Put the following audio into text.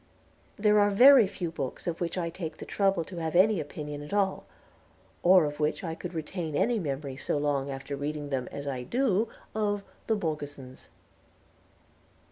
There are very few books of which I take the trouble to have any opinion at all, or of which I could retain any memory so long after reading them as I do of 'The Morgesons.'"